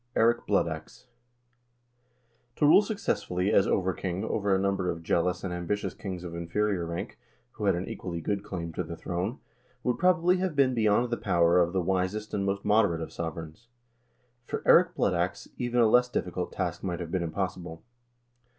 Eirik Blood Ax To rule successfully as over king over a number of jealous and ambitious kings of inferior rank, who had an equally good claim to the throne, would, probably, have been beyond the power of the wisest and most moderate of sovereigns; for Eirik Blood Ax even a less difficult task might have been impossible.